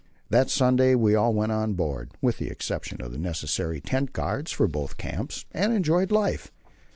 That Sunday we all went on board with the exception of the necessary tent guards for both camps and enjoyed life.